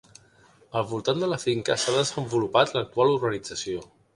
Al voltant de la finca s'ha desenvolupat l'actual urbanització.